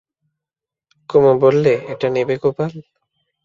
কুমু বললে, এটা নেবে গোপাল?